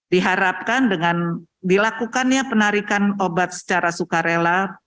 diharapkan dengan dilakukannya penarikan obat secara sukarela